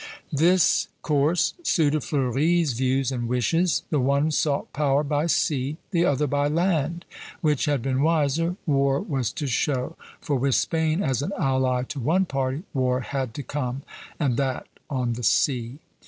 This course suited Fleuri's views and wishes. The one sought power by sea, the other by land. Which had been wiser, war was to show; for, with Spain as an ally to one party, war had to come, and that on the sea.